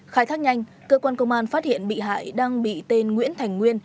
khai thác nhanh cơ quan công an phát hiện bị hại đang bị tên nguyễn thành nguyên